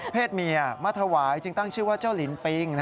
เมียมาถวายจึงตั้งชื่อว่าเจ้าลินปิง